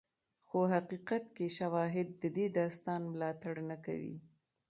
خو حقیقت کې شواهد د دې داستان ملاتړ نه کوي.